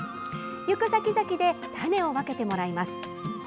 行くさきざきで種を分けてもらいます。